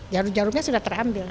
jarum jarumnya sudah terambil